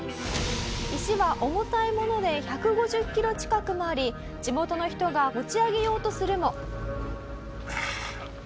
石は重たいもので１５０キロ近くもあり地元の人が持ち上げようとするも。